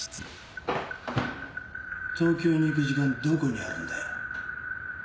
東京に行く時間どこにあるんだ？